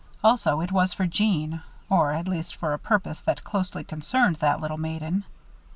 Also, it was for Jeanne; or, at least, for a purpose that closely concerned that little maiden.